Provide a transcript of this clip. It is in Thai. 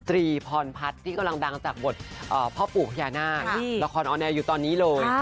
ตรีพรพัฒน์ที่กำลังดังจากบทพ่อปู่พญานาคละครออแอร์อยู่ตอนนี้เลย